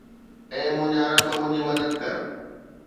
اي منهنجا رب، منهنجي مدد ڪر